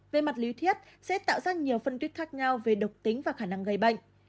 về mặt lý thiết sẽ tạo ra nhiều phân tích khác nhau về độc tính và khả năng gây bệnh